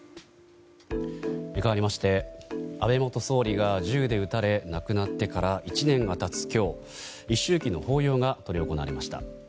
かわりまして安倍元総理が銃で撃たれ亡くなってから１年が経つ今日一周忌の法要が執り行われました。